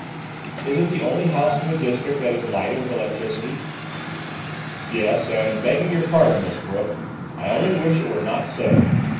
"Is it the only house in the district that is lighted with electricity?" "Yes; and, begging your pardon, Miss Brooke, I only wish it were not so.